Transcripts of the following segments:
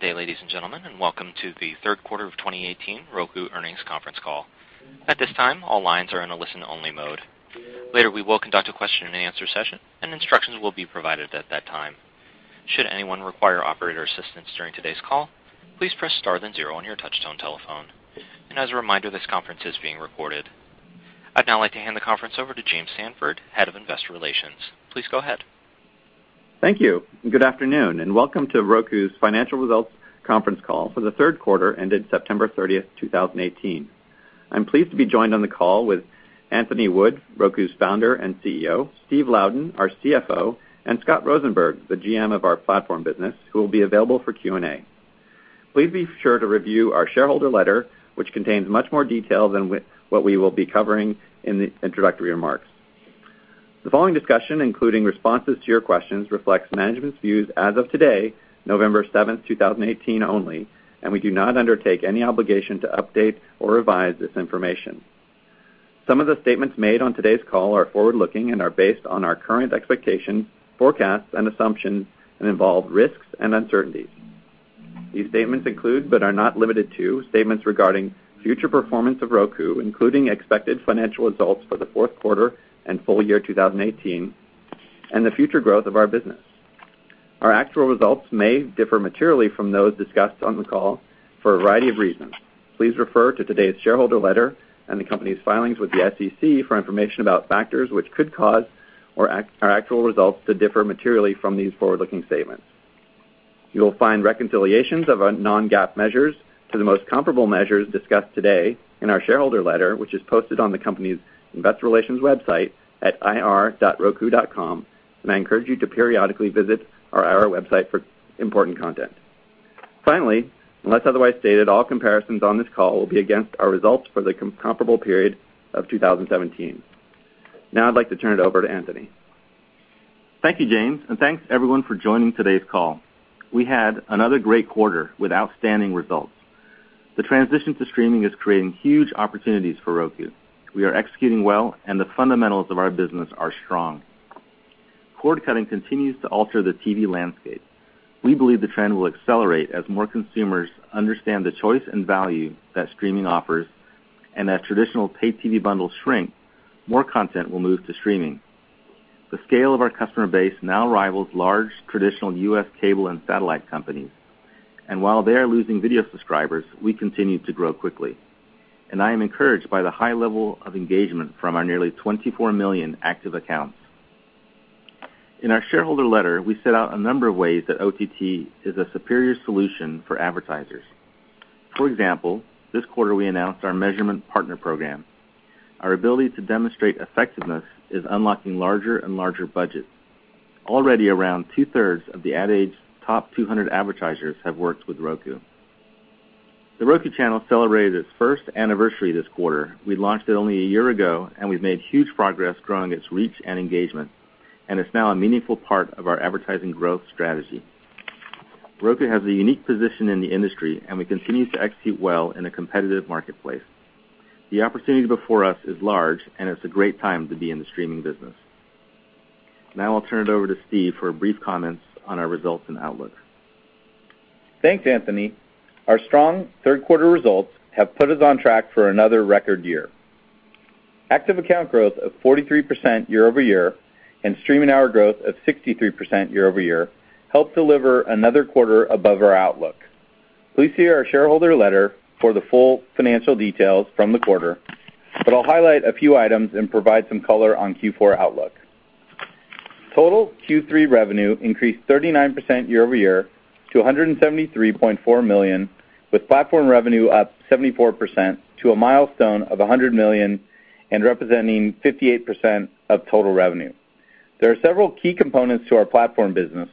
Good day, ladies and gentlemen, and welcome to the third quarter of 2018 Roku earnings conference call. At this time, all lines are in a listen-only mode. Later, we will conduct a question and answer session, and instructions will be provided at that time. Should anyone require operator assistance during today's call, please press star then zero on your touch-tone telephone. As a reminder, this conference is being recorded. I'd now like to hand the conference over to James Samford, Head of Investor Relations. Please go ahead. Thank you. Good afternoon, and welcome to Roku's Financial Results Conference Call for the third quarter ended September 30, 2018. I'm pleased to be joined on the call with Anthony Wood, Roku's Founder and CEO, Steve Louden, our CFO, and Scott Rosenberg, the GM of our platform business, who will be available for Q&A. Please be sure to review our shareholder letter, which contains much more detail than what we will be covering in the introductory remarks. The following discussion, including responses to your questions, reflects management's views as of today, November 7, 2018 only, and we do not undertake any obligation to update or revise this information. Some of the statements made on today's call are forward-looking and are based on our current expectations, forecasts, and assumptions, and involve risks and uncertainties. These statements include, but are not limited to, statements regarding future performance of Roku, including expected financial results for the fourth quarter and full year 2018, and the future growth of our business. Our actual results may differ materially from those discussed on the call for a variety of reasons. Please refer to today's shareholder letter and the company's filings with the SEC for information about factors which could cause our actual results to differ materially from these forward-looking statements. You will find reconciliations of our non-GAAP measures to the most comparable measures discussed today in our shareholder letter, which is posted on the company's investor relations website at ir.roku.com, and I encourage you to periodically visit our IR website for important content. Finally, unless otherwise stated, all comparisons on this call will be against our results for the comparable period of 2017. Now I'd like to turn it over to Anthony. Thank you, James, and thanks, everyone, for joining today's call. We had another great quarter with outstanding results. The transition to streaming is creating huge opportunities for Roku. We are executing well and the fundamentals of our business are strong. Cord cutting continues to alter the TV landscape. We believe the trend will accelerate as more consumers understand the choice and value that streaming offers. As traditional paid TV bundles shrink, more content will move to streaming. The scale of our customer base now rivals large traditional U.S. cable and satellite companies. While they are losing video subscribers, we continue to grow quickly. I am encouraged by the high level of engagement from our nearly 24 million active accounts. In our shareholder letter, we set out a number of ways that OTT is a superior solution for advertisers. For example, this quarter we announced our measurement partner program. Our ability to demonstrate effectiveness is unlocking larger and larger budgets. Already, around two-thirds of the Ad Age top 200 advertisers have worked with Roku. The Roku Channel celebrated its first anniversary this quarter. We launched it only a year ago, and we've made huge progress growing its reach and engagement. It's now a meaningful part of our advertising growth strategy. Roku has a unique position in the industry, and we continue to execute well in a competitive marketplace. The opportunity before us is large, and it's a great time to be in the streaming business. Now I'll turn it over to Steve for brief comments on our results and outlook. Thanks, Anthony. Our strong third quarter results have put us on track for another record year. Active account growth of 43% year-over-year and streaming hour growth of 63% year-over-year helped deliver another quarter above our outlook. Please see our shareholder letter for the full financial details from the quarter. I'll highlight a few items and provide some color on Q4 outlook. Total Q3 revenue increased 39% year-over-year to $173.4 million, with platform revenue up 74% to a milestone of $100 million and representing 58% of total revenue. There are several key components to our platform business.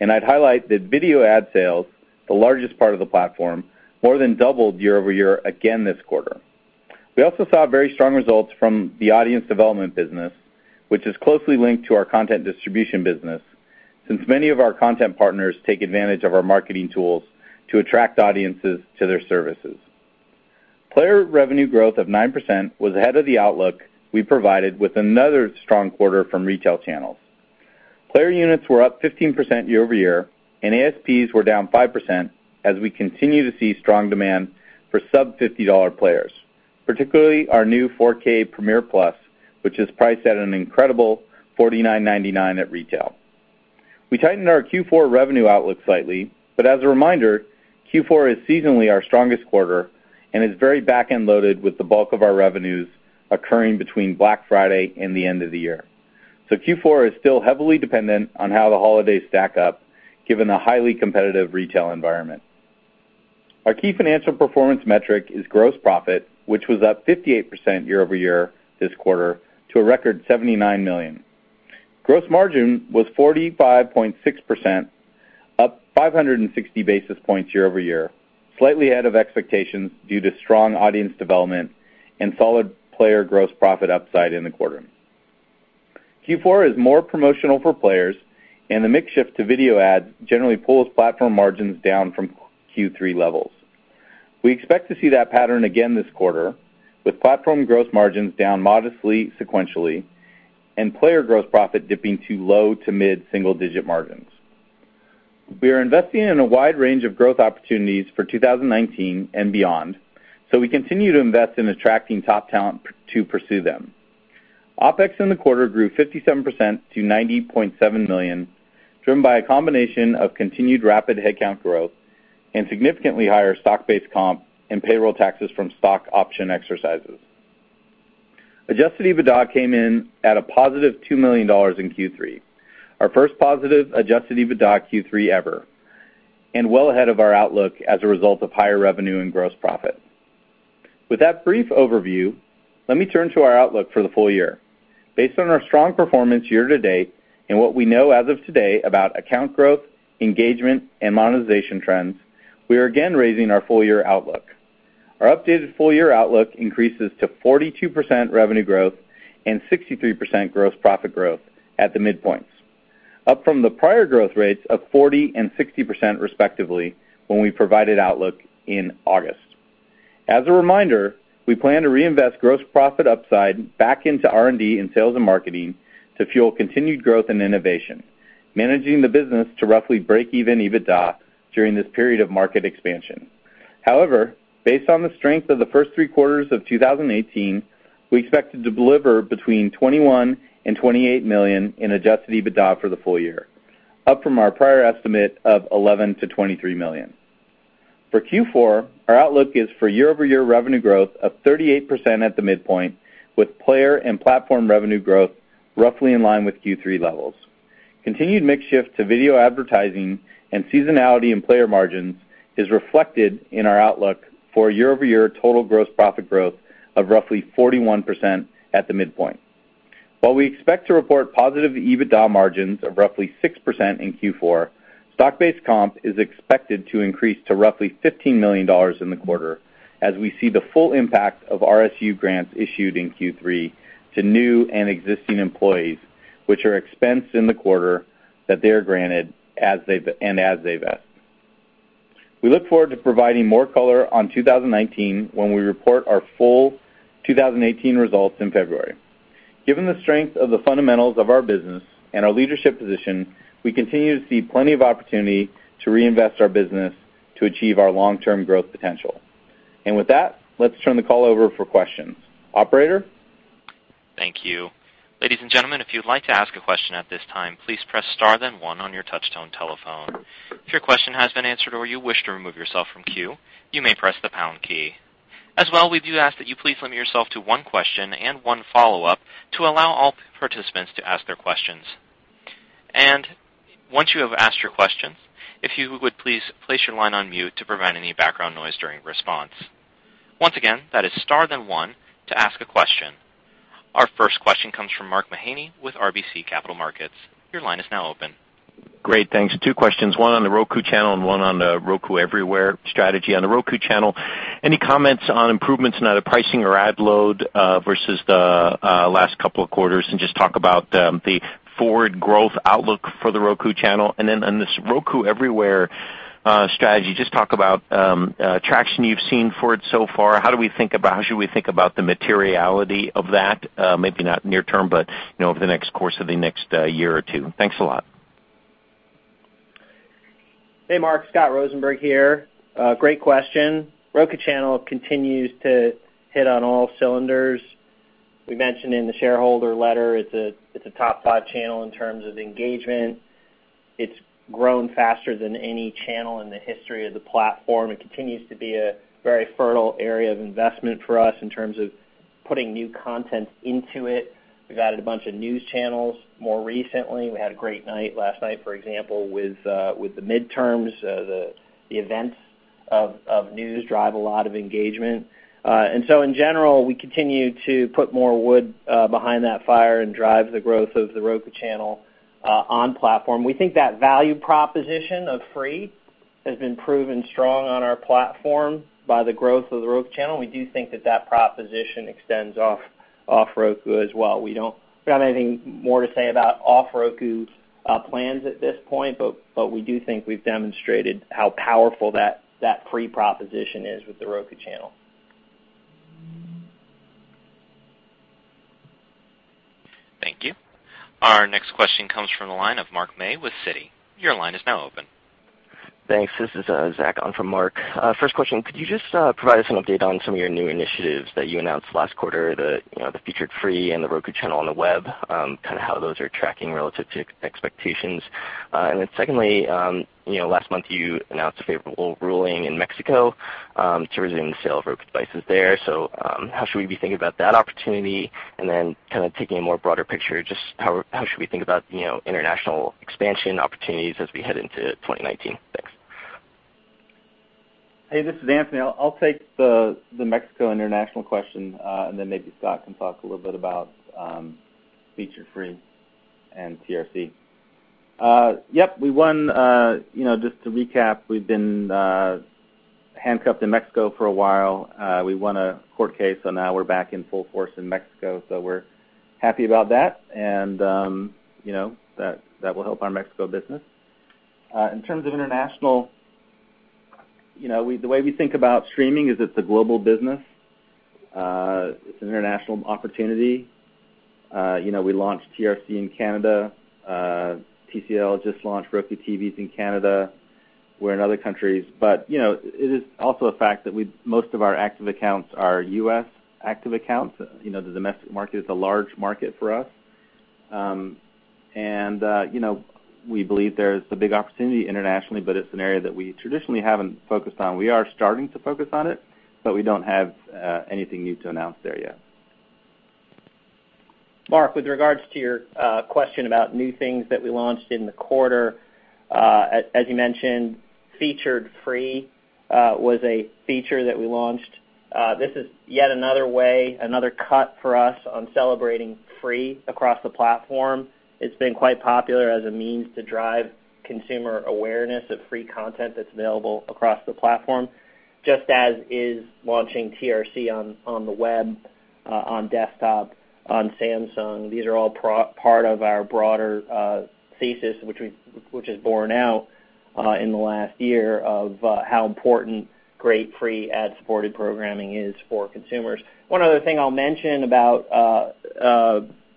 I'd highlight that video ad sales, the largest part of the platform, more than doubled year-over-year again this quarter. We also saw very strong results from the audience development business, which is closely linked to our content distribution business, since many of our content partners take advantage of our marketing tools to attract audiences to their services. Player revenue growth of 9% was ahead of the outlook we provided with another strong quarter from retail channels. Player units were up 15% year-over-year, and ASPs were down 5% as we continue to see strong demand for sub $50 players. Particularly our new 4K Premiere+, which is priced at an incredible $49.99 at retail. We tightened our Q4 revenue outlook slightly. As a reminder, Q4 is seasonally our strongest quarter and is very back-end loaded with the bulk of our revenues occurring between Black Friday and the end of the year. Q4 is still heavily dependent on how the holidays stack up given the highly competitive retail environment. Our key financial performance metric is gross profit, which was up 58% year-over-year this quarter to a record $79 million. Gross margin was 45.6%, up 560 basis points year-over-year, slightly ahead of expectations due to strong audience development and solid player gross profit upside in the quarter. Q4 is more promotional for players, and the mix shift to video ads generally pulls platform margins down from Q3 levels. We expect to see that pattern again this quarter with platform gross margins down modestly sequentially, and player gross profit dipping to low to mid single-digit margins. We are investing in a wide range of growth opportunities for 2019 and beyond. We continue to invest in attracting top talent to pursue them. OpEx in the quarter grew 57% to $90.7 million, driven by a combination of continued rapid headcount growth and significantly higher stock-based comp and payroll taxes from stock option exercises. Adjusted EBITDA came in at a positive $2 million in Q3, our first positive adjusted EBITDA Q3 ever, and well ahead of our outlook as a result of higher revenue and gross profit. With that brief overview, let me turn to our outlook for the full year. Based on our strong performance year-to-date and what we know as of today about account growth, engagement, and monetization trends, we are again raising our full year outlook. Our updated full year outlook increases to 42% revenue growth and 63% gross profit growth at the midpoints, up from the prior growth rates of 40% and 60%, respectively, when we provided outlook in August. As a reminder, we plan to reinvest gross profit upside back into R&D and sales and marketing to fuel continued growth and innovation, managing the business to roughly break even EBITDA during this period of market expansion. However, based on the strength of the first three quarters of 2018, we expected to deliver between $21 million and $28 million in adjusted EBITDA for the full year, up from our prior estimate of $11 million-$23 million. For Q4, our outlook is for year-over-year revenue growth of 38% at the midpoint, with player and platform revenue growth roughly in line with Q3 levels. Continued mix shift to video advertising and seasonality in player margins is reflected in our outlook for year-over-year total gross profit growth of roughly 41% at the midpoint. While we expect to report positive EBITDA margins of roughly 6% in Q4, stock-based comp is expected to increase to roughly $15 million in the quarter as we see the full impact of RSU grants issued in Q3 to new and existing employees, which are expensed in the quarter that they are granted and as they vest. We look forward to providing more color on 2019 when we report our full 2018 results in February. Given the strength of the fundamentals of our business and our leadership position, we continue to see plenty of opportunity to reinvest our business to achieve our long-term growth potential. With that, let's turn the call over for questions. Operator? Thank you. Ladies and gentlemen, if you'd like to ask a question at this time, please press star then one on your touch-tone telephone. If your question has been answered or you wish to remove yourself from queue, you may press the pound key. We do ask that you please limit yourself to one question and one follow-up to allow all participants to ask their questions. Once you have asked your question, if you would please place your line on mute to prevent any background noise during response. Once again, that is star then one to ask a question. Our first question comes from Mark Mahaney with RBC Capital Markets. Your line is now open. Great, thanks. Two questions, one on The Roku Channel and one on the Roku Everywhere strategy. On The Roku Channel, any comments on improvements in either pricing or ad load versus the last couple of quarters? Just talk about the forward growth outlook for The Roku Channel. On this Roku Everywhere strategy, just talk about traction you've seen for it so far. How should we think about the materiality of that, maybe not near term, but over the next course of the next year or two? Thanks a lot. Hey, Mark. Scott Rosenberg here. Great question. Roku Channel continues to hit on all cylinders. We mentioned in the shareholder letter, it's a top five channel in terms of engagement. It's grown faster than any channel in the history of the platform and continues to be a very fertile area of investment for us in terms of putting new content into it. We've added a bunch of news channels more recently. We had a great night last night, for example, with the midterms. The events of news drive a lot of engagement. In general, we continue to put more wood behind that fire and drive the growth of The Roku Channel on platform. We think that value proposition of free has been proven strong on our platform by the growth of The Roku Channel, and we do think that that proposition extends off Roku as well. We don't have anything more to say about off Roku plans at this point, we do think we've demonstrated how powerful that free proposition is with The Roku Channel. Thank you. Our next question comes from the line of Mark May with Citi. Your line is now open. Thanks. This is Zach on from Mark. First question, could you just provide us an update on some of your new initiatives that you announced last quarter, the Featured Free and The Roku Channel on the web, kind of how those are tracking relative to expectations. Secondly, last month you announced a favorable ruling in Mexico to resume the sale of Roku devices there. How should we be thinking about that opportunity? Kind of taking a more broader picture, just how should we think about international expansion opportunities as we head into 2019? Thanks. Hey, this is Anthony. I'll take the Mexico international question, and then maybe Scott can talk a little bit about Featured Free and TRC. Yep. Just to recap, we've been handcuffed in Mexico for a while. We won a court case, now we're back in full force in Mexico, we're Happy about that. That will help our Mexico business. In terms of international, the way we think about streaming is it's a global business. It's an international opportunity. We launched TRC in Canada. TCL just launched Roku TVs in Canada. We're in other countries, it is also a fact that most of our active accounts are U.S. active accounts. The domestic market is a large market for us. We believe there's a big opportunity internationally, it's an area that we traditionally haven't focused on. We are starting to focus on it, we don't have anything new to announce there yet. Mark, with regards to your question about new things that we launched in the quarter, as you mentioned, Featured Free was a feature that we launched. This is yet another way, another cut for us on celebrating free across the platform. It's been quite popular as a means to drive consumer awareness of free content that's available across the platform. Just as is launching TRC on the web, on desktop, on Samsung. These are all part of our broader thesis, which has borne out in the last year, of how important great free ad-supported programming is for consumers. One other thing I'll mention about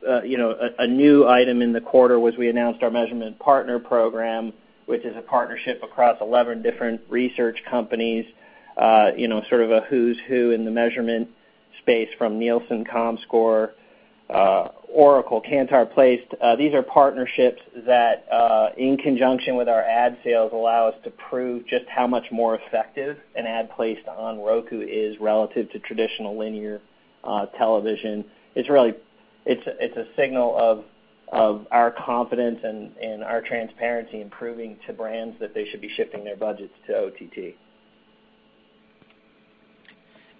a new item in the quarter was we announced our measurement partner program, which is a partnership across 11 different research companies. Sort of a who's who in the measurement space from Nielsen, Comscore, Oracle, Kantar, Placed. These are partnerships that, in conjunction with our ad sales, allow us to prove just how much more effective an ad placed on Roku is relative to traditional linear television. It's a signal of our confidence and our transparency in proving to brands that they should be shifting their budgets to OTT.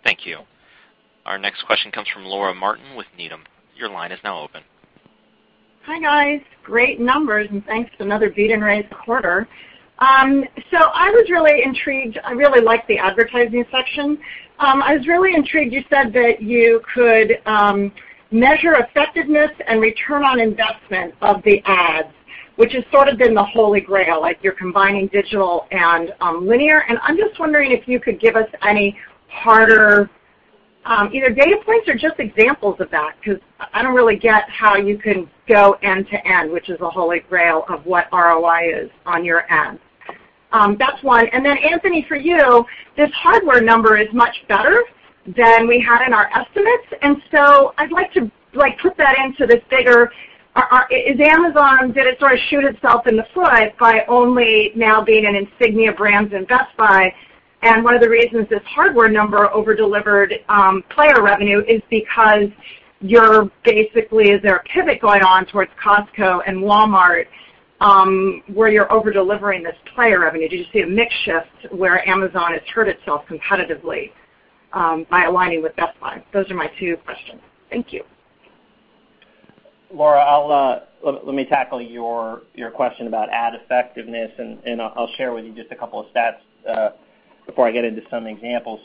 Thank you. Our next question comes from Laura Martin with Needham. Your line is now open. Hi, guys. Great numbers, and thanks for another beat and raise quarter. I was really intrigued. I really liked the advertising section. I was really intrigued, you said that you could measure effectiveness and return on investment of the ads, which has sort of been the Holy Grail, like you're combining digital and linear. I'm just wondering if you could give us any harder, either data points or just examples of that, because I don't really get how you can go end to end, which is the Holy Grail of what ROI is on your ads. That's one. Then Anthony, for you, this hardware number is much better than we had in our estimates, and so I'd like to put that into this bigger Did it sort of shoot itself in the foot by only now being in Insignia brands in Best Buy? One of the reasons this hardware number over-delivered player revenue is because, is there a pivot going on towards Costco and Walmart, where you're over-delivering this player revenue? Do you see a mix shift where Amazon has hurt itself competitively by aligning with Best Buy? Those are my two questions. Thank you. Laura, let me tackle your question about ad effectiveness, and I'll share with you just a couple of stats before I get into some examples.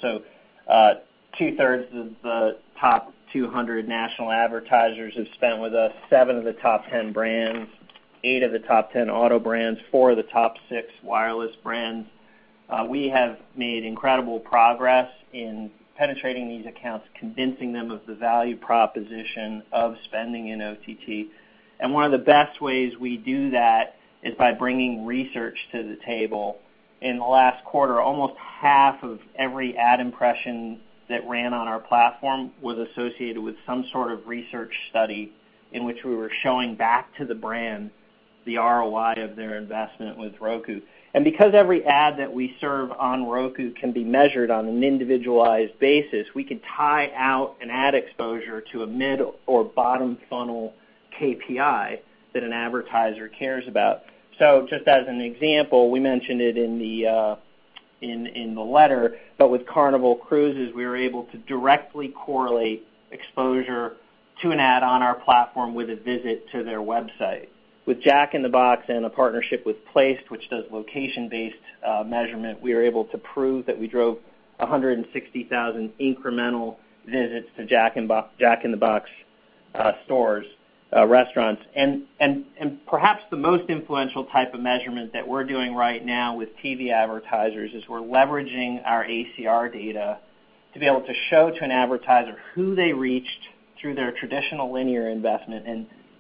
Two-thirds of the top 200 national advertisers have spent with us, seven of the top 10 brands, eight of the top 10 auto brands, four of the top six wireless brands. We have made incredible progress in penetrating these accounts, convincing them of the value proposition of spending in OTT. One of the best ways we do that is by bringing research to the table. In the last quarter, almost half of every ad impression that ran on our platform was associated with some sort of research study in which we were showing back to the brand the ROI of their investment with Roku. Because every ad that we serve on Roku can be measured on an individualized basis, we can tie out an ad exposure to a mid or bottom-funnel KPI that an advertiser cares about. Just as an example, we mentioned it in the letter, but with Carnival Cruise Line, we were able to directly correlate exposure to an ad on our platform with a visit to their website. With Jack in the Box and a partnership with Placed, which does location-based measurement, we were able to prove that we drove 160,000 incremental visits to Jack in the Box stores, restaurants. Perhaps the most influential type of measurement that we're doing right now with TV advertisers is we're leveraging our ACR data to be able to show to an advertiser who they reached through their traditional linear investment,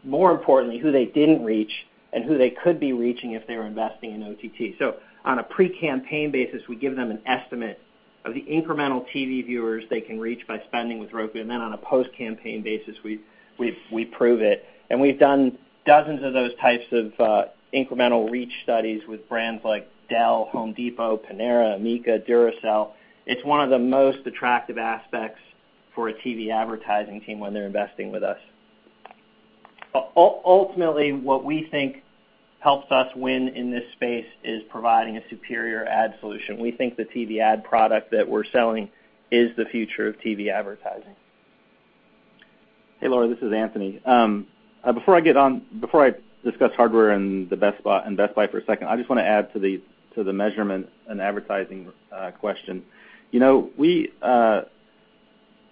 and more importantly, who they didn't reach and who they could be reaching if they were investing in OTT. On a pre-campaign basis, we give them an estimate of the incremental TV viewers they can reach by spending with Roku, and then on a post-campaign basis, we prove it. We've done dozens of those types of incremental reach studies with brands like Dell, Home Depot, Panera, Amica, Duracell. It's one of the most attractive aspects for a TV advertising team when they're investing with us. Ultimately, what we think helps us win in this space is providing a superior ad solution. We think the TV ad product that we're selling is the future of TV advertising. Hey, Laura, this is Anthony. Before I discuss hardware and Best Buy for a second, I just want to add to the measurement and advertising question.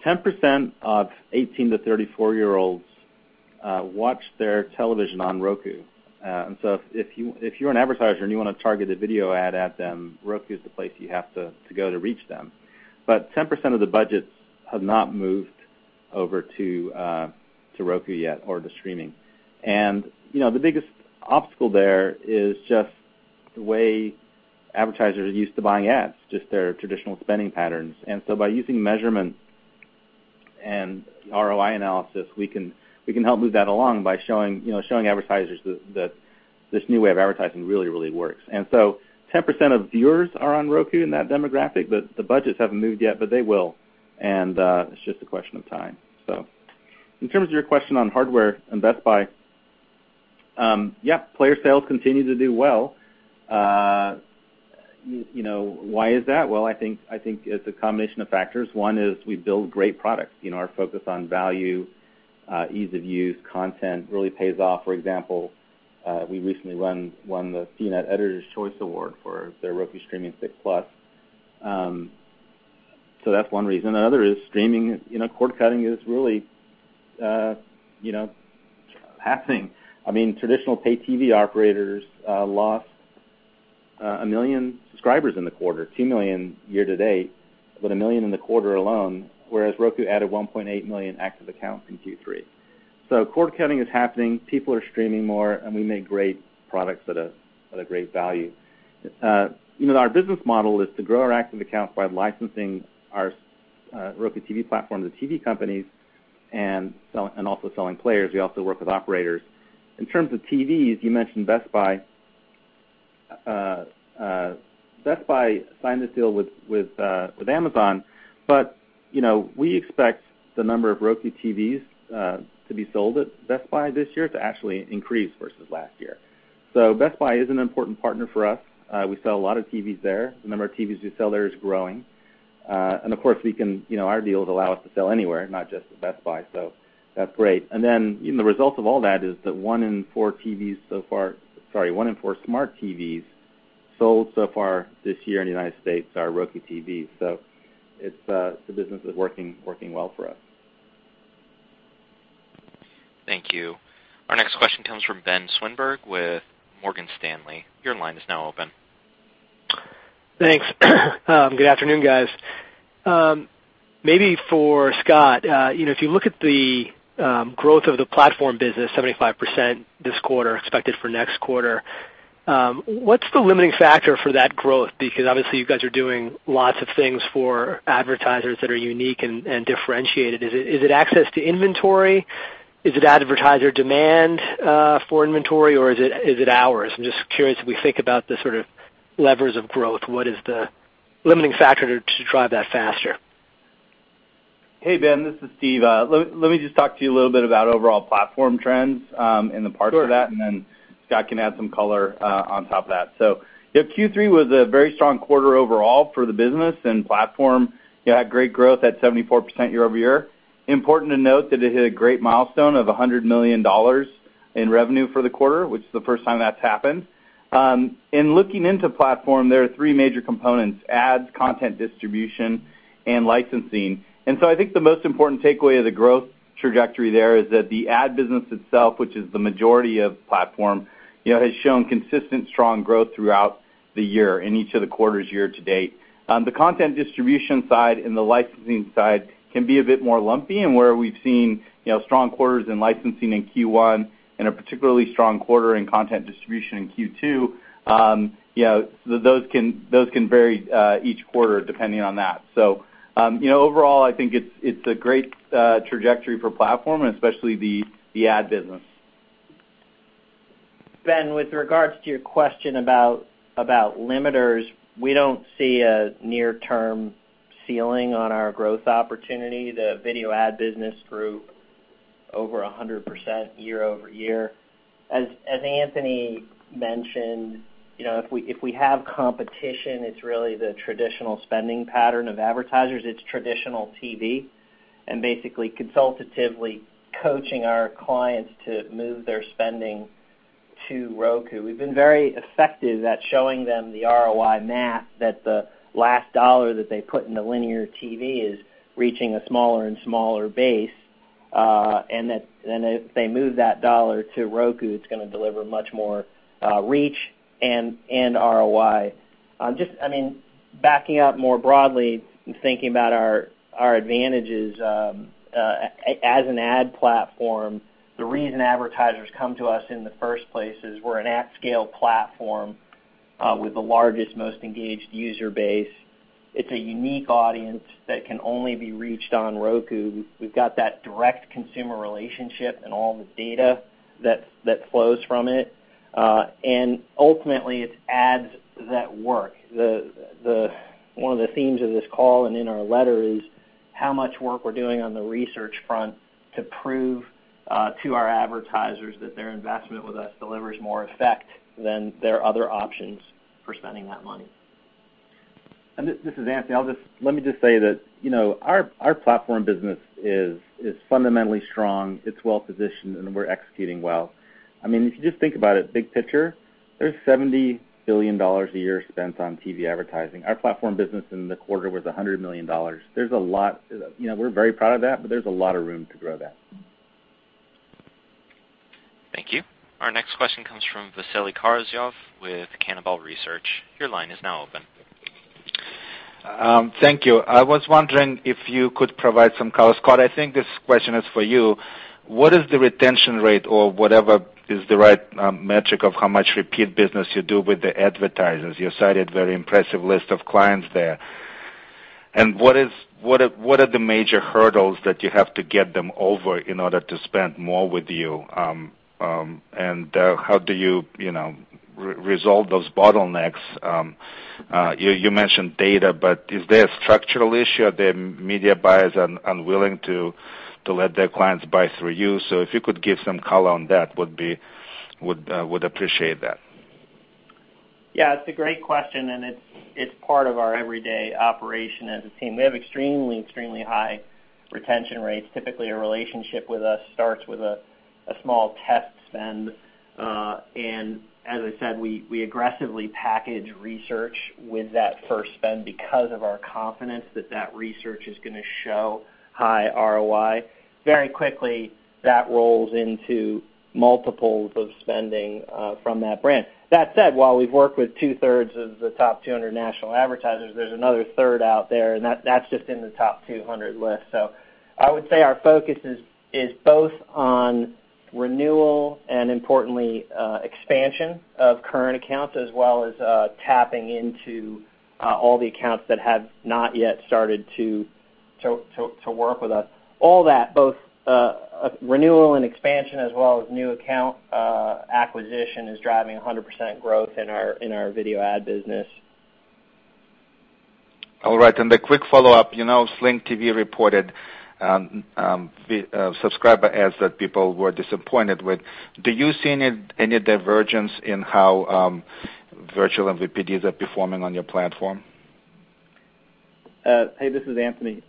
10% of 18 to 34-year-olds watch their television on Roku. If you're an advertiser and you want to target a video ad at them, Roku is the place you have to go to reach them. 10% of the budgets have not moved over to Roku yet, or to streaming. The biggest obstacle there is just the way advertisers are used to buying ads, just their traditional spending patterns. By using measurement and ROI analysis, we can help move that along by showing advertisers that this new way of advertising really, really works. 10% of viewers are on Roku in that demographic, but the budgets haven't moved yet, but they will, and it's just a question of time. In terms of your question on hardware and Best Buy, yep, player sales continue to do well. Why is that? Well, I think it's a combination of factors. One is we build great products. Our focus on value, ease of use, content really pays off. For example, we recently won the CNET Editors' Choice Award for their Roku Streaming Stick+. That's one reason. Another is streaming. Cord cutting is really happening. Traditional paid TV operators lost 1 million subscribers in the quarter, 2 million year-to-date, but 1 million in the quarter alone, whereas Roku added 1.8 million active accounts in Q3. Cord cutting is happening, people are streaming more, and we make great products at a great value. Our business model is to grow our active accounts by licensing our Roku TV platform to TV companies and also selling players. We also work with operators. In terms of TVs, you mentioned Best Buy. Best Buy signed this deal with Amazon, we expect the number of Roku TVs to be sold at Best Buy this year to actually increase versus last year. Best Buy is an important partner for us. We sell a lot of TVs there. The number of TVs we sell there is growing. Of course, our deals allow us to sell anywhere, not just at Best Buy, so that's great. The result of all that is that one in four smart TVs sold so far this year in the U.S. are Roku TVs. The business is working well for us. Thank you. Our next question comes from Benjamin Swinburne with Morgan Stanley. Your line is now open. Thanks. Good afternoon, guys. Maybe for Scott, if you look at the growth of the platform business, 75% this quarter, expected for next quarter, what's the limiting factor for that growth? Because obviously you guys are doing lots of things for advertisers that are unique and differentiated. Is it access to inventory? Is it advertiser demand for inventory, or is it hours? I'm just curious, if we think about the sort of levers of growth, what is the limiting factor to drive that faster? Hey, Ben, this is Steve. Let me just talk to you a little bit about overall platform trends and the parts of that. Sure Scott can add some color on top of that. Q3 was a very strong quarter overall for the business, and platform had great growth at 74% year-over-year. Important to note that it hit a great milestone of $100 million in revenue for the quarter, which is the first time that's happened. In looking into platform, there are three major components, ads, content distribution, and licensing. I think the most important takeaway of the growth trajectory there is that the ad business itself, which is the majority of platform, has shown consistent strong growth throughout the year in each of the quarters year-to-date. The content distribution side and the licensing side can be a bit more lumpy. Where we've seen strong quarters in licensing in Q1 and a particularly strong quarter in content distribution in Q2, those can vary each quarter depending on that. Overall, I think it's a great trajectory for platform and especially the ad business. Ben, with regards to your question about limiters, we don't see a near-term ceiling on our growth opportunity. The video ad business grew over 100% year-over-year. As Anthony mentioned, if we have competition, it's really the traditional spending pattern of advertisers. It's traditional TV, consultatively coaching our clients to move their spending to Roku. We've been very effective at showing them the ROI math that the last dollar that they put into linear TV is reaching a smaller and smaller base. That if they move that dollar to Roku, it's going to deliver much more reach and ROI. Just backing up more broadly and thinking about our advantages, as an ad platform, the reason advertisers come to us in the first place is we're an at-scale platform with the largest, most engaged user base. It's a unique audience that can only be reached on Roku. We've got that direct consumer relationship and all the data that flows from it. Ultimately, it's ads that work. One of the themes of this call and in our letter is how much work we're doing on the research front to prove to our advertisers that their investment with us delivers more effect than their other options for spending that money. This is Anthony. Let me just say that our platform business is fundamentally strong, it's well-positioned, and we're executing well. If you just think about it, big picture, there's $70 billion a year spent on TV advertising. Our platform business in the quarter was $100 million. We're very proud of that, there's a lot of room to grow that. Thank you. Our next question comes from Vasily Karasyov with Canaccord Genuity. Your line is now open. Thank you. I was wondering if you could provide some color, Scott, I think this question is for you. What is the retention rate or whatever is the right metric of how much repeat business you do with the advertisers? You cited a very impressive list of clients there. What are the major hurdles that you have to get them over in order to spend more with you? How do you resolve those bottlenecks? You mentioned data, but is there a structural issue? Are the media buyers unwilling to let their clients buy through you? If you could give some color on that, would appreciate that. Yeah, it's a great question, and it's part of our everyday operation as a team. We have extremely high retention rates. Typically, a relationship with us starts with a small test spend. As I said, we aggressively package research with that first spend because of our confidence that that research is going to show high ROI. Very quickly, that rolls into multiples of spending from that brand. That said, while we've worked with two-thirds of the top 200 national advertisers, there's another third out there, and that's just in the top 200 list. I would say our focus is both on renewal and importantly, expansion of current accounts as well as tapping into all the accounts that have not yet started to work with us. All that, both renewal and expansion as well as new account acquisition is driving 100% growth in our video ad business. All right. A quick follow-up. Sling TV reported subscriber adds that people were disappointed with. Do you see any divergence in how virtual MVPDs are performing on your platform? Hey, this is Anthony.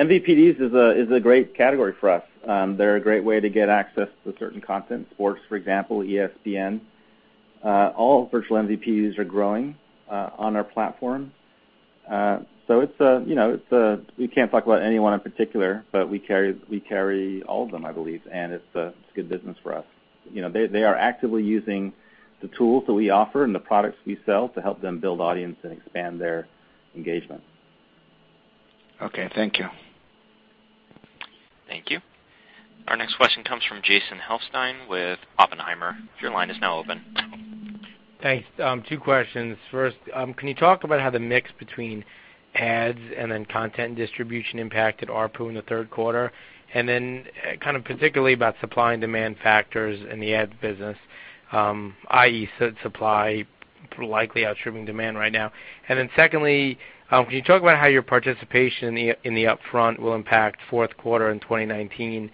MVPDs is a great category for us. They're a great way to get access to certain content, sports, for example, ESPN. All virtual MVPDs are growing on our platform. We can't talk about anyone in particular, but we carry all of them, I believe, and it's good business for us. They are actively using the tools that we offer and the products we sell to help them build audience and expand their engagement. Okay. Thank you. Thank you. Our next question comes from Jason Helfstein with Oppenheimer. Your line is now open. Thanks. Two questions. First, can you talk about how the mix between ads and then content distribution impacted ARPU in the third quarter? Particularly about supply and demand factors in the ad business i.e., supply likely outstripping demand right now. Secondly, can you talk about how your participation in the upfront will impact fourth quarter in 2019,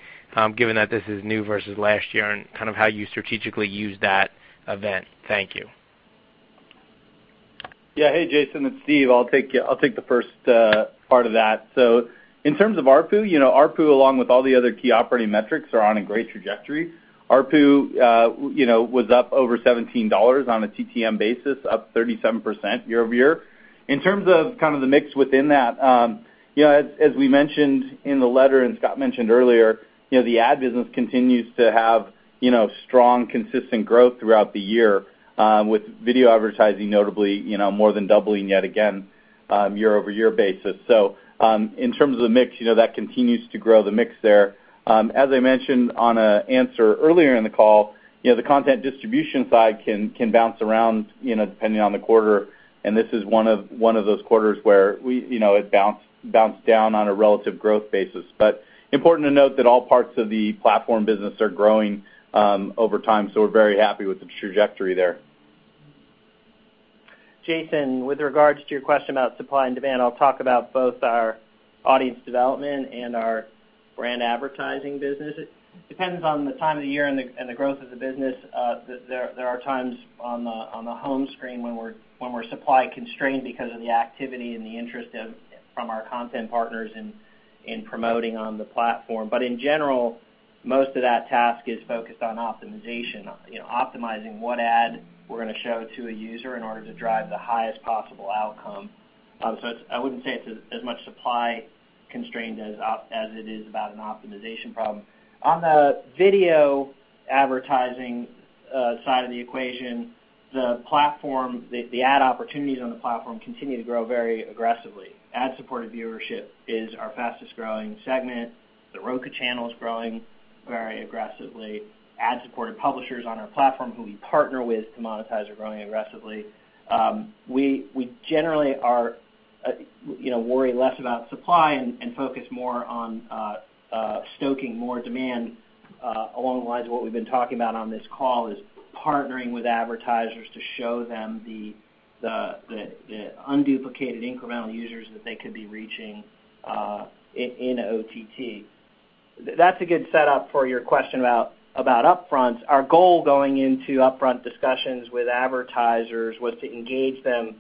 given that this is new versus last year and how you strategically use that event? Thank you. Hey, Jason, it's Steve. I'll take the first part of that. In terms of ARPU along with all the other key operating metrics are on a great trajectory. ARPU was up over $17 on a TTM basis, up 37% year-over-year. In terms of the mix within that, as we mentioned in the letter and Scott mentioned earlier, the ad business continues to have strong, consistent growth throughout the year with video advertising notably, more than doubling yet again year-over-year basis. In terms of the mix, that continues to grow the mix there. As I mentioned on an answer earlier in the call, the content distribution side can bounce around, depending on the quarter, and this is one of those quarters where it bounced down on a relative growth basis. Important to note that all parts of the platform business are growing over time, we're very happy with the trajectory there. Jason, with regards to your question about supply and demand, I'll talk about both our audience development and our brand advertising business. It depends on the time of the year and the growth of the business. There are times on the home screen when we're supply constrained because of the activity and the interest from our content partners in promoting on the platform. In general, most of that task is focused on optimization. Optimizing what ad we're going to show to a user in order to drive the highest possible outcome. I wouldn't say it's as much supply constrained as it is about an optimization problem. On the video advertising side of the equation, the ad opportunities on the platform continue to grow very aggressively. Ad-supported viewership is our fastest-growing segment. The Roku Channel is growing very aggressively. Ad-supported publishers on our platform who we partner with to monetize are growing aggressively. We generally worry less about supply and focus more on stoking more demand along the lines of what we've been talking about on this call, is partnering with advertisers to show them the unduplicated incremental users that they could be reaching in OTT. That's a good setup for your question about upfront. Our goal going into upfront discussions with advertisers was to engage them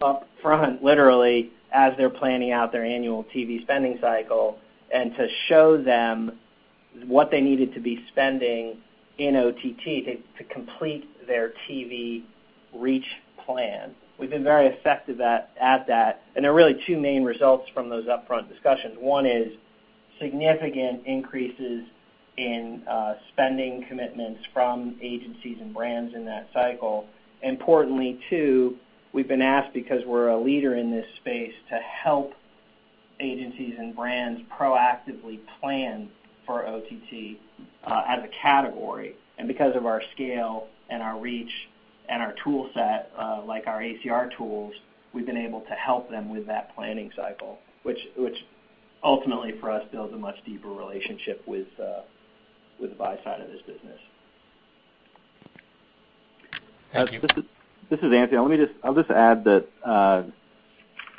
upfront, literally as they're planning out their annual TV spending cycle, to show them what they needed to be spending in OTT to complete their TV reach plan. We've been very effective at that, there are really two main results from those upfront discussions. One is significant increases in spending commitments from agencies and brands in that cycle. Importantly, two, we've been asked because we're a leader in this space, to help agencies and brands proactively plan for OTT as a category. Because of our scale and our reach and our tool set, like our ACR tools, we've been able to help them with that planning cycle, which ultimately for us builds a much deeper relationship with the buy side of this business. Thank you. This is Anthony. I'll just add that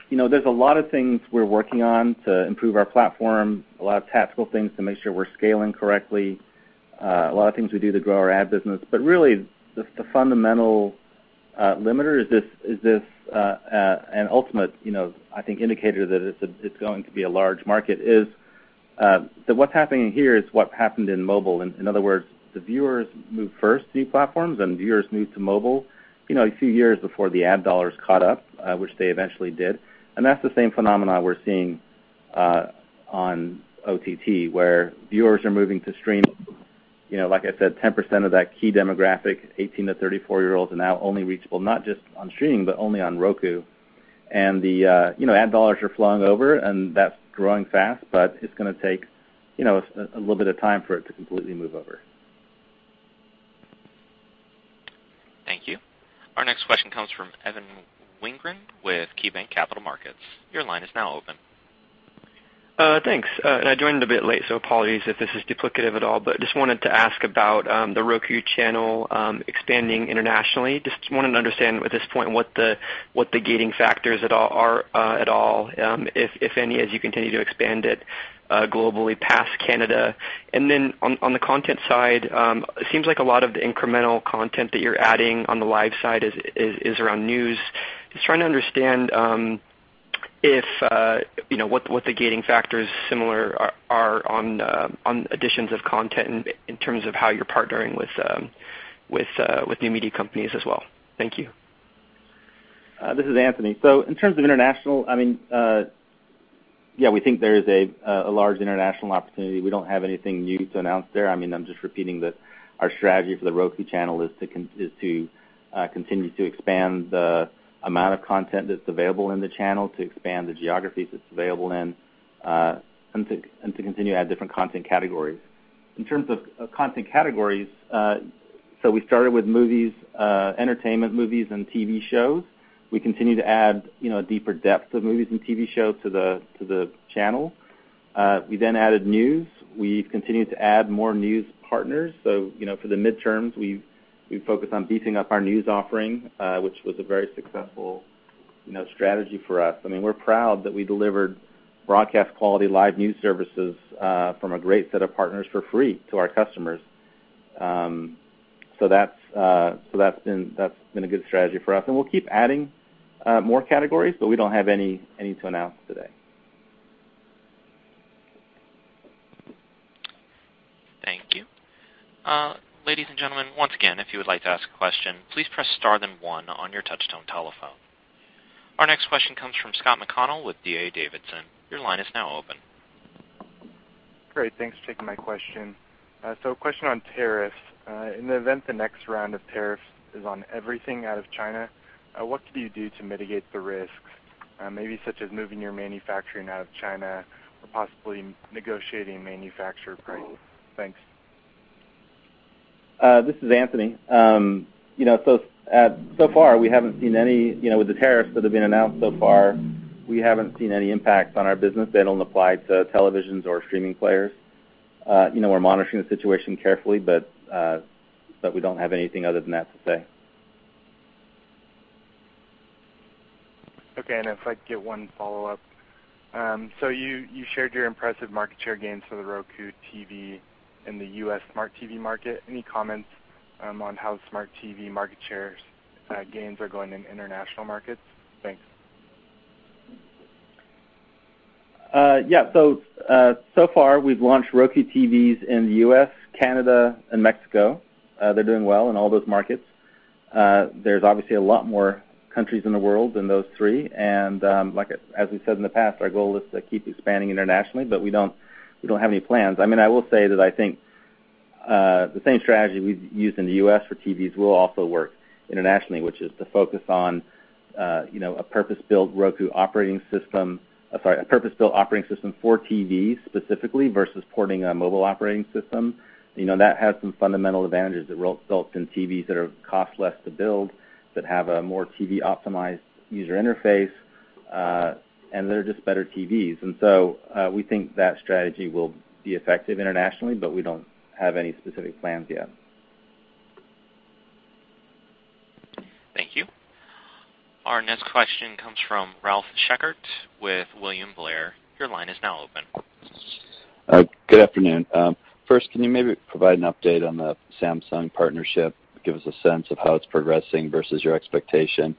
there's a lot of things we're working on to improve our platform, a lot of tactical things to make sure we're scaling correctly, a lot of things we do to grow our ad business. Really, the fundamental limiter is this, and ultimate I think indicator that it's going to be a large market is, that what's happening here is what happened in mobile. In other words, the viewers move first to these platforms, then viewers moved to mobile a few years before the ad dollars caught up, which they eventually did, and that's the same phenomena we're seeing on OTT, where viewers are moving to stream. Like I said, 10% of that key demographic, 18 to 34-year-olds, are now only reachable, not just on streaming, but only on Roku. The ad dollars are flowing over, and that's growing fast, but it's going to take a little bit of time for it to completely move over. Thank you. Our next question comes from Evan Wingren with KeyBanc Capital Markets. Your line is now open. Thanks. I joined a bit late, so apologies if this is duplicative at all. Just wanted to ask about The Roku Channel expanding internationally. Just wanted to understand at this point what the gating factors are at all, if any, as you continue to expand it globally past Canada. On the content side, it seems like a lot of the incremental content that you're adding on the live side is around news. Just trying to understand what the gating factors similar are on additions of content in terms of how you're partnering with new media companies as well. Thank you. This is Anthony. In terms of international, we think there is a large international opportunity. We don't have anything new to announce there. I'm just repeating that our strategy for The Roku Channel is to continue to expand the amount of content that's available in the channel, to expand the geographies it's available in, and to continue to add different content categories. In terms of content categories, we started with movies, entertainment movies and TV shows. We continue to add deeper depth of movies and TV shows to the channel. We added news. We've continued to add more news partners. For the midterms, we focused on beefing up our news offering, which was a very successful strategy for us. We're proud that we delivered broadcast quality live news services from a great set of partners for free to our customers. That's been a good strategy for us. We'll keep adding more categories, but we don't have any to announce today. Thank you. Ladies and gentlemen, once again, if you would like to ask a question, please press star then one on your touchtone telephone. Our next question comes from Scott McConnell with D.A. Davidson. Your line is now open. Thanks for taking my question. A question on tariffs. In the event the next round of tariffs is on everything out of China, what could you do to mitigate the risks, maybe such as moving your manufacturing out of China or possibly negotiating manufacturer prices? Thanks. This is Anthony. So far, with the tariffs that have been announced so far, we haven't seen any impacts on our business. They don't apply to televisions or streaming players. We're monitoring the situation carefully, but we don't have anything other than that to say. Okay. If I could get one follow-up. You shared your impressive market share gains for the Roku TV in the U.S. smart TV market. Any comments on how smart TV market shares gains are going in international markets? Thanks. Yeah. So far, we've launched Roku TVs in the U.S., Canada and Mexico. They're doing well in all those markets. There's obviously a lot more countries in the world than those three. As we've said in the past, our goal is to keep expanding internationally, we don't have any plans. I will say that I think the same strategy we've used in the U.S. for TVs will also work internationally, which is to focus on a purpose-built operating system for TVs specifically versus porting a mobile operating system. That has some fundamental advantages that result in TVs that cost less to build, that have a more TV-optimized user interface, and they're just better TVs. We think that strategy will be effective internationally, but we don't have any specific plans yet. Our next question comes from Ralph Schackart with William Blair. Your line is now open. Good afternoon. First, can you maybe provide an update on the Samsung partnership, give us a sense of how it's progressing versus your expectation?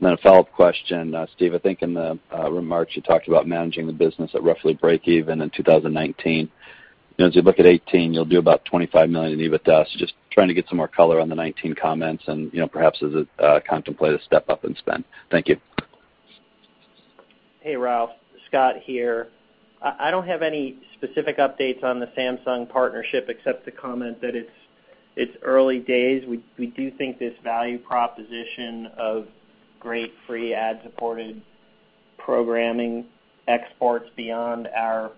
A follow-up question, Steve, I think in the remarks you talked about managing the business at roughly breakeven in 2019. As you look at 2018, you'll do about $25 million in EBITDA, just trying to get some more color on the 2019 comments and perhaps as a contemplated step up in spend. Thank you. Hey, Ralph. Scott here. I don't have any specific updates on the Samsung partnership except to comment that it's early days. We do think this value proposition of great free ad-supported programming exports beyond our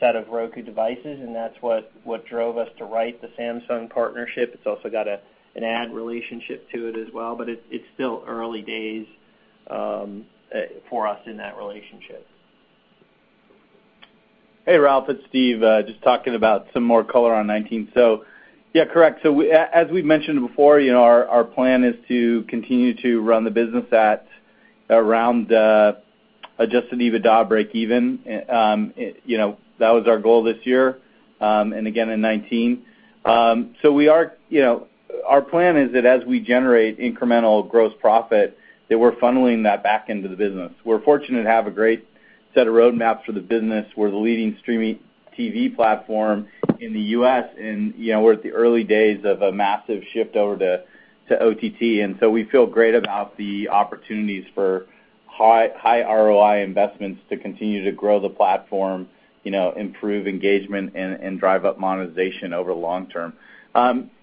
set of Roku devices, that's what drove us to write the Samsung partnership. It's also got an ad relationship to it as well, it's still early days for us in that relationship. Hey, Ralph, it's Steve. Just talking about some more color on 2019. Yeah, correct. As we've mentioned before, our plan is to continue to run the business at around adjusted EBITDA breakeven. That was our goal this year, and again in 2019. Our plan is that as we generate incremental gross profit, that we're funneling that back into the business. We're fortunate to have a great set of roadmaps for the business. We're the leading streaming TV platform in the U.S., and we're at the early days of a massive shift over to OTT. We feel great about the opportunities for high ROI investments to continue to grow the platform, improve engagement, and drive up monetization over long term.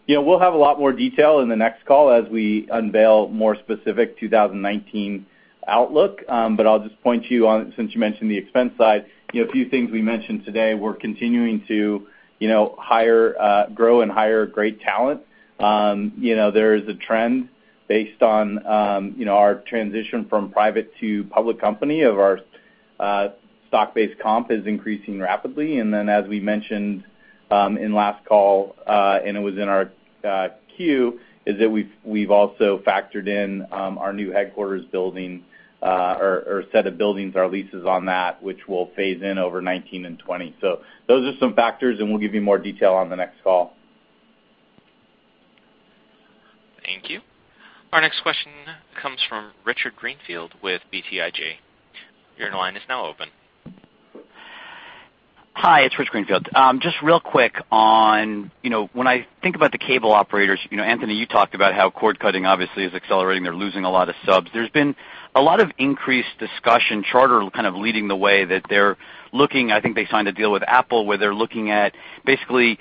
We'll have a lot more detail in the next call as we unveil more specific 2019 outlook. I'll just point you on, since you mentioned the expense side, a few things we mentioned today, we're continuing to grow and hire great talent. There is a trend based on our transition from private to public company of our stock-based comp is increasing rapidly. As we mentioned in last call, and it was in our Q, is that we've also factored in our new headquarters building or set of buildings, our leases on that, which will phase in over 2019 and 2020. Those are some factors, and we'll give you more detail on the next call. Thank you. Our next question comes from Richard Greenfield with BTIG. Your line is now open. Hi, it's Rich Greenfield. Just real quick on when I think about the cable operators, Anthony, you talked about how cord cutting obviously is accelerating. They're losing a lot of subs. There's been a lot of increased discussion, Charter kind of leading the way, that they're looking, I think they signed a deal with Apple where they're looking at basically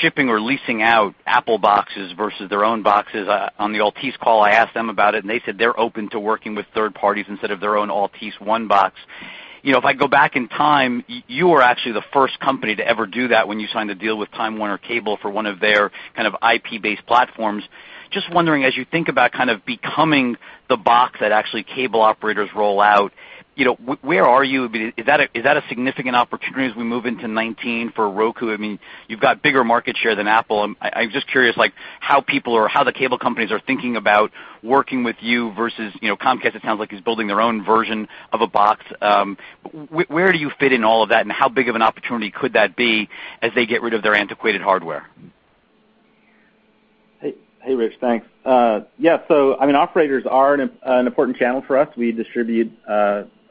shipping or leasing out Apple boxes versus their own boxes. On the Altice call, I asked them about it, and they said they're open to working with third parties instead of their own Altice One box. If I go back in time, you were actually the first company to ever do that when you signed a deal with Time Warner Cable for one of their IP-based platforms. Just wondering, as you think about becoming the box that actually cable operators roll out, where are you? Is that a significant opportunity as we move into 2019 for Roku? You've got bigger market share than Apple. I'm just curious, how people or how the cable companies are thinking about working with you versus Comcast, it sounds like, is building their own version of a box. Where do you fit in all of that, and how big of an opportunity could that be as they get rid of their antiquated hardware? Hey, Rich. Thanks. Operators are an important channel for us. We distribute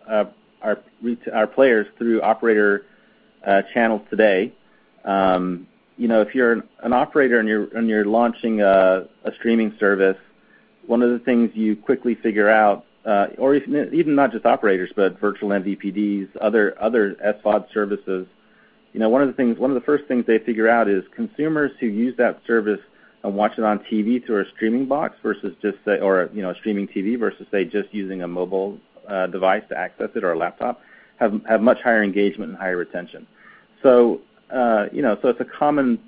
our players through operator channels today. If you're an operator and you're launching a streaming service, one of the things you quickly figure out, or even not just operators, but virtual MVPDs, other SVOD services, one of the first things they figure out is consumers who use that service and watch it on TV through a streaming box versus just say, or a streaming TV versus, say, just using a mobile device to access it or a laptop, have much higher engagement and higher retention. It's a common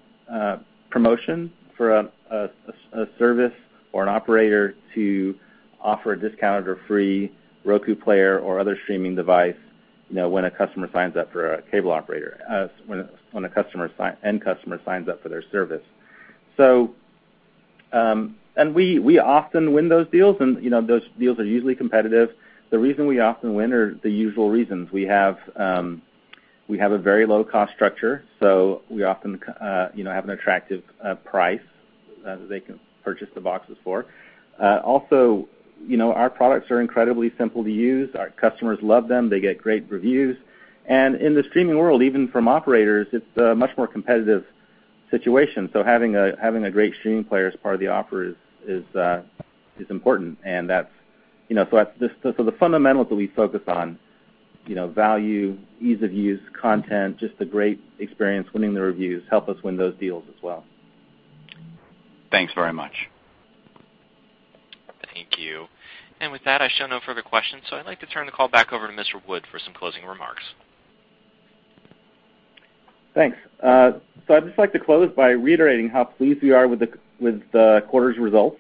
promotion for a service or an operator to offer a discounted or free Roku player or other streaming device when an end customer signs up for their service. We often win those deals, and those deals are usually competitive. The reason we often win are the usual reasons. We have a very low cost structure, we often have an attractive price that they can purchase the boxes for. Our products are incredibly simple to use. Our customers love them. They get great reviews. In the streaming world, even from operators, it's a much more competitive situation. Having a great streaming player as part of the offer is important. The fundamentals that we focus on, value, ease of use, content, just a great experience winning the reviews, help us win those deals as well. Thanks very much. Thank you. With that, I show no further questions, I'd like to turn the call back over to Mr. Wood for some closing remarks. Thanks. I'd just like to close by reiterating how pleased we are with the quarter's results.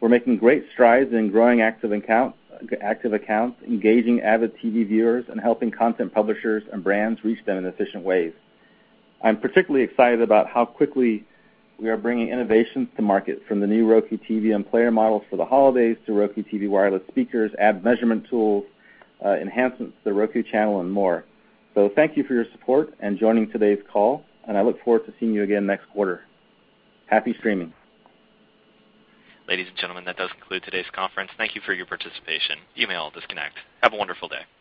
We're making great strides in growing active accounts, engaging avid TV viewers, and helping content publishers and brands reach them in efficient ways. I'm particularly excited about how quickly we are bringing innovations to market, from the new Roku TV and player models for the holidays to Roku TV Wireless Speakers, ad measurement tools, enhancements to The Roku Channel, and more. Thank you for your support and joining today's call, and I look forward to seeing you again next quarter. Happy streaming. Ladies and gentlemen, that does conclude today's conference. Thank you for your participation. You may all disconnect. Have a wonderful day.